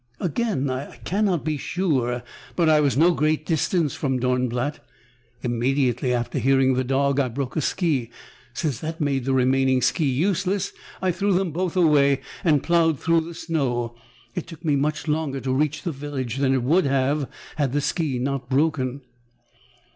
"Again I cannot be sure, but I was no great distance from Dornblatt. Immediately after hearing the dog, I broke a ski. Since that made the remaining ski useless, I threw both away and plowed through the snow. It took me much longer to reach the village than it would have had the ski not broken."